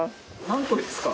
何個ですか？